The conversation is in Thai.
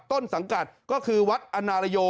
ต้นสังกัดก็คือวัดอนาลโย